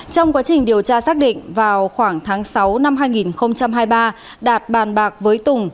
trong quá trình điều tra xác định vào khoảng tháng sáu năm hai nghìn hai mươi ba đạt bàn bạc với tùng